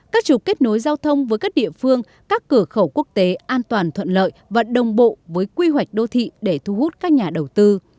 các trục kết nối giao thông với các địa phương các cửa khẩu quốc tế an toàn thuận lợi và đồng bộ với quy hoạch đô thị để thu hút các nhà đầu tư